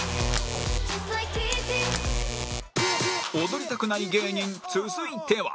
踊りたくない芸人続いては